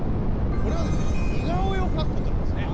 これはですね似顔絵を描くことなんですね！